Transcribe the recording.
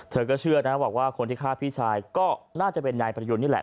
เธอก็เชื่อนะบอกว่าคนที่ฆ่าพี่ชายก็น่าจะเป็นนายประยูนนี่แหละ